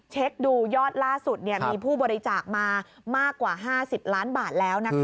เช็คดูยอดล่าสุดมีผู้บริจาคมามากกว่า๕๐ล้านบาทแล้ว